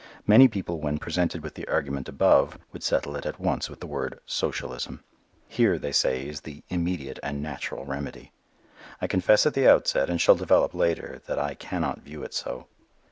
Many people when presented with the argument above, would settle it at once with the word "socialism." Here, they say, is the immediate and natural remedy. I confess at the outset, and shall develop later, that I cannot view it so.